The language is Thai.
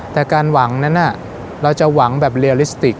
แต่การหวังนั้นเราจะหวังแบบเรียลิสติก